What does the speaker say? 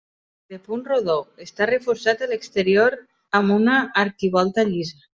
De punt rodó, està reforçat a l'exterior amb una arquivolta llisa.